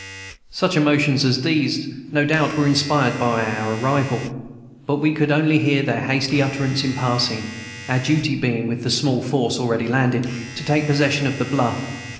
Such emotions as these, no doubt, were inspired by our arrival, but we could only hear their hasty utterance in passing; our duty being, with the small force already landed, to take possession of the bluff.